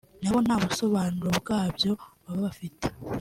nabo nta busobanuro bwabyo baba bafite